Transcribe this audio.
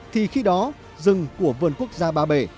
thì khi đó rừng của vườn quốc gia ba bể